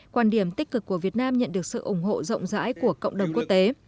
quan điểm tích cực của việt nam nhận được sự ủng hộ rộng rãi của cộng đồng quốc tế